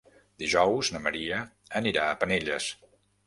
Dijous na Maria anirà a Penelles.